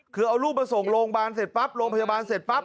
คือเอาลูกมาส่งโรงพยาบาลเสร็จปั๊บโรงพยาบาลเสร็จปั๊บ